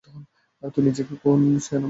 তুই নিজেকে খুন সেয়ানা মনে করিস।